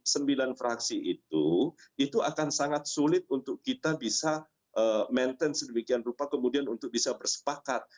sembilan fraksi itu itu akan sangat sulit untuk kita bisa maintain sedemikian rupa kemudian untuk bisa bersepakat